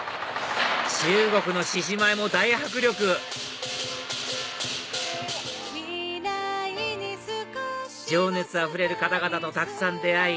中国の獅子舞も大迫力情熱あふれる方々とたくさん出会い